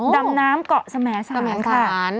ดำน้ำเกาะสมสารค่ะ